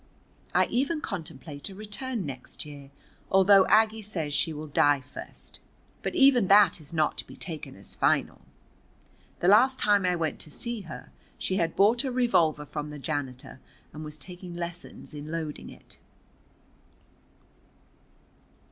I even contemplate a return next year, although Aggie says she will die first. But even that is not to be taken as final. The last time I went to see her, she had bought a revolver from the janitor and was taking lessons in loading it.